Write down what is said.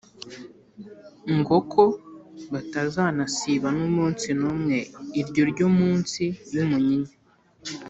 ngoko batazanasiba n’umunsi n’umwe iryo ryo munsi y’umunyinya.